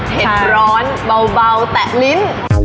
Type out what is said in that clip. เผ็ดร้อนเบาแตะลิ้น